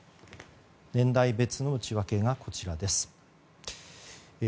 年代別の内訳がこちらです。